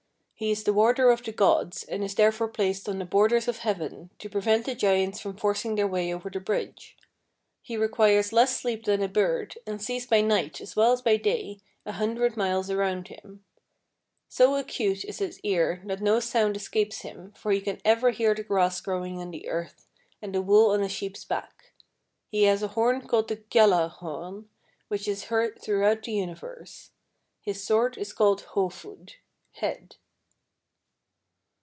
He is the warder of the gods, and is therefore placed on the borders of heaven, to prevent the giants from forcing their way over the bridge. He requires less sleep than a bird, and sees by night, as well as by day, a hundred miles around him. So acute is his ear that no sound escapes him, for he can even hear the grass growing on the earth, and the wool on a sheep's back. He has a horn called the Gjallar horn, which is heard throughout the universe. His sword is called Hofud (Head).